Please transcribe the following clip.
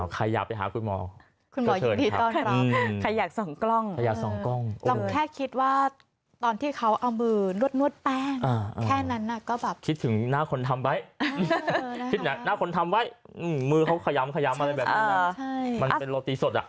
ใครอย่าไปหาคุณหมอก็เชิญ